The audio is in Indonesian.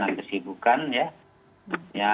ya mungkin ketika ada yang mungkin mengajak kami ya